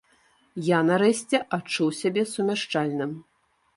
Я, нарэшце, адчуў сябе сумяшчальным.